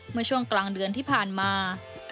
เมื่อช่วงกลางเดือนที่ผ่านมา